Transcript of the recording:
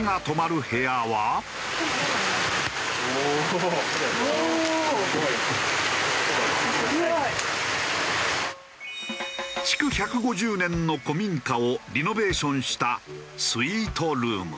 ２人が築１５０年の古民家をリノベーションしたスイートルーム。